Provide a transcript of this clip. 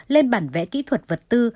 lên bản vẽ kỹ thuật vật tư